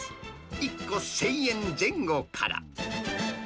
１個１０００円前後から。